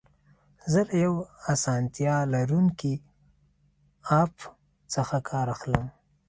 زه له یو اسانتیا لرونکي اپ څخه کار اخلم.